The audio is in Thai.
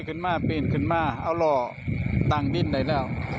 ขึ้นมาขึ้นมาเออหน่อยเอา